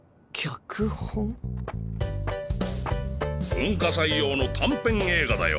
文化祭用の短編映画だよ。